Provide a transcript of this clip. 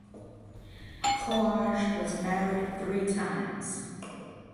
Coage was married three times.